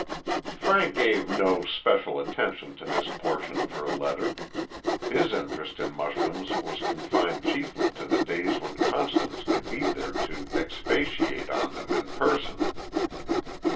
'" Frank gave no especial attention to this portion of her letter. His interest in mushrooms was confined chiefly to the days when Constance could be there to expatiate on them in person.